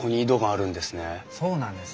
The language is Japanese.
そうなんです。